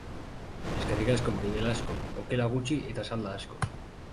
Eskerrik asko, Mari Belasko! Okela gutxi eta salda asko.